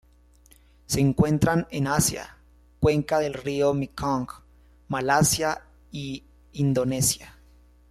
Se encuentran en Asia: cuenca del río Mekong, Malasia y Indonesia.